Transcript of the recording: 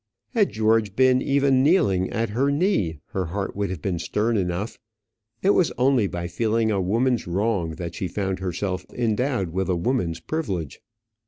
Had George been even kneeling at her knee, her heart would have been stern enough. It was only by feeling a woman's wrong that she found herself endowed with a woman's privilege.